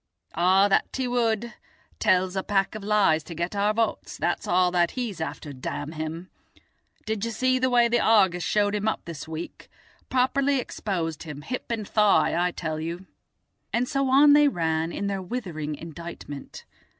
"Ah, that he would. Tells a pack of lies to get our votes, that's all that he's after, damn him. Did you see the way the Argus showed him up this week? Properly exposed him, hip and thigh, I tell you." And so on they ran, in their withering indictment.